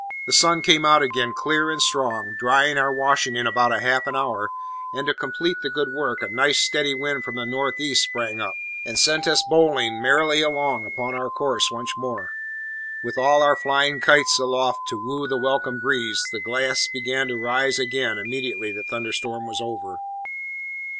The sun came out again, clear and strong, drying our washing in about half an hour, and to complete the good work, a nice, steady wind from the north east sprang up, and sent us bowling merrily along upon our course once more, with all our flying kites aloft to woo the welcome breeze, the glass beginning to rise again immediately the thunderstorm was over.